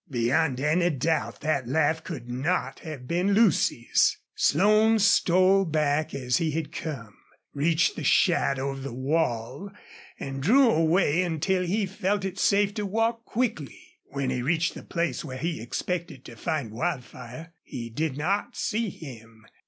Beyond any doubt that laugh could not have been Lucy's. Slone stole back as he had come, reached the shadow of the wall, and drew away until he felt it safe to walk quickly. When he reached the place where he expected to find Wildfire he did not see him.